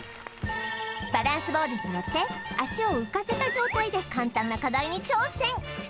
バランスボールにのって足を浮かせた状態で簡単な課題に挑戦